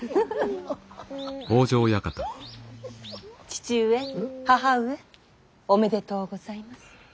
父上義母上おめでとうございます。